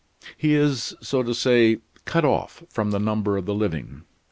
He is, so to say, cut off from the number of the living.